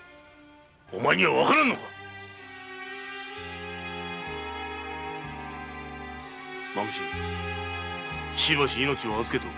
お前にはわからぬのか蝮しばし命は預けておく。